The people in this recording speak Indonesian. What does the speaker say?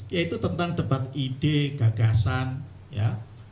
yaitu tentang debat ide gagasan ya